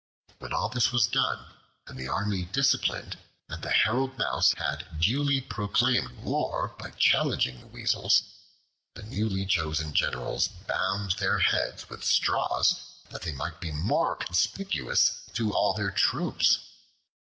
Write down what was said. When all this was done, and the army disciplined, and the herald Mouse had duly proclaimed war by challenging the Weasels, the newly chosen generals bound their heads with straws, that they might be more conspicuous to all their troops.